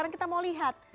rian kita akan lihat